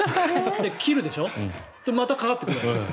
切るでしょまたかかってくるわけです。